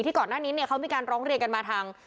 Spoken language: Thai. ที่ก่อนหน้านิเงินเขามีการร้องเรียนกันมาทาง